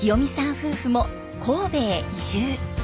夫婦も神戸へ移住。